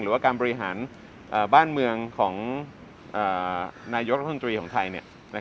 หรือว่าการบริหารบ้านเมืองของนายกรัฐมนตรีของไทย